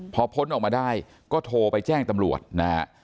พอพ้นออกมาได้ก็โทรไปแจ้งตำรวจนะฮะ